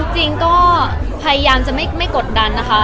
จริงก็พยายามจะไม่กดดันนะคะ